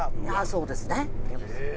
そうですね。